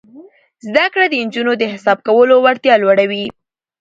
زده کړه د نجونو د حساب کولو وړتیا لوړوي.